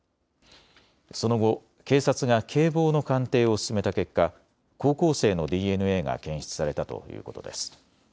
その後、警察が警棒の鑑定を進めた結果、高校生のＤＮＡが検出されたということです。